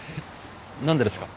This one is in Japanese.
何でですか？